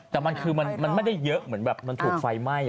แต่มันคือมันไม่ได้เยอะเหมือนแบบมันถูกไฟไหม้